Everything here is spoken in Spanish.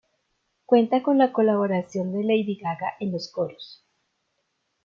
Cuenta con la colaboración de Lady Gaga en los coros.